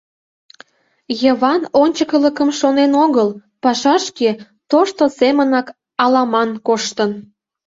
Йыван ончыкылыкым шонен огыл, пашашке тошто семынак аламан коштын.